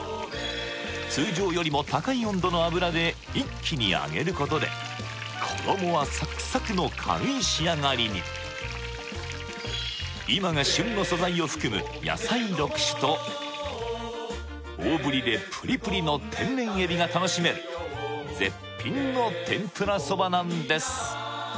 通常よりも高い温度の油で一気に揚げることで衣はサクサクの軽い仕上がりに今が旬の素材を含む野菜６種と大ぶりでプリプリの天然海老が楽しめる絶品の天ぷら蕎麦なんです